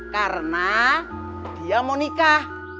karena dia mau nikah